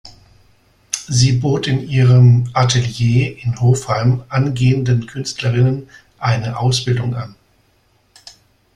Sie bot in ihrem Atelier in Hofheim angehenden Künstlerinnen eine Ausbildung an.